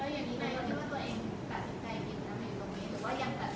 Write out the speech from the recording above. แล้วอย่างนี้ไงก็คิดว่าตัวเองตัดสินใจดีกว่าทำไมตรงนี้